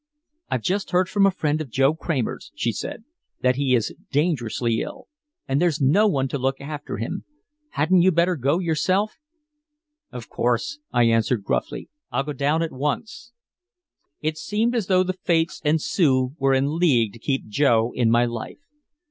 "I've just heard from a friend of Joe Kramer's," she said, "that he is dangerously ill. And there's no one to look after him. Hadn't you better go yourself?" "Of course," I assented gruffly. "I'll go down at once." It seemed as though the Fates and Sue were in league to keep Joe in my life.